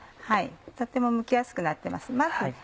とってもむきやすくなってます。